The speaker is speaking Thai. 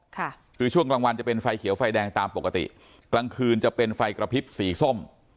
ค่ะคือช่วงกลางวันจะเป็นไฟเขียวไฟแดงตามปกติกลางคืนจะเป็นไฟกระพริบสีส้ม